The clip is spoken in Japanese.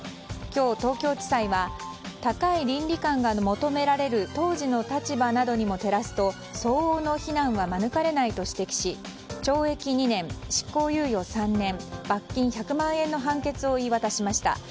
今日、東京地裁は高い倫理観が求められる当時の立場などにも照らすと相応の非難は免れないと指摘し懲役２年、執行猶予３年罰金１００万円の判決を言い渡しました。